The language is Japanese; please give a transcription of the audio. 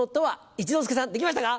一之輔さんできましたか？